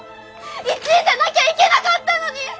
１位じゃなきゃいけなかったのに！